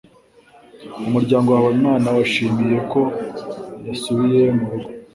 Umuryango wa Habimana wishimiye ko yasubiye mu rugo.